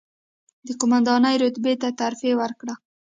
د قوماندانۍ رتبې ته ترفېع وکړه،